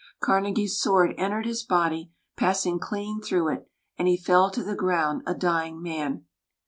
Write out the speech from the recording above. Carnegie's sword entered his body, passing clean through it; and he fell to the ground a dying man.